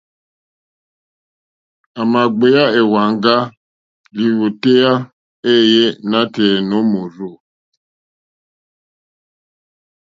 À mà gbèyá èwàŋgá lìwòtéyá éèyé nǎtɛ̀ɛ̀ nǒ mòrzô.